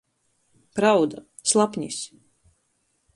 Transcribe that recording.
Prauda — slapnis.